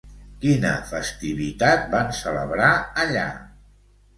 Quina festivitat van celebrar allà?